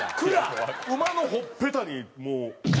馬のほっぺたにもう。